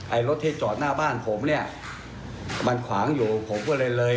รถที่จอดหน้าบ้านผมเนี่ยมันขวางอยู่ผมก็เลยเลย